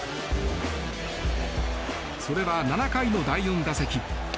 それは、７回の第４打席。